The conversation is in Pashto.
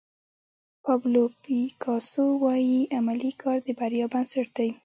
پابلو پیکاسو وایي عملي کار د بریا بنسټ دی.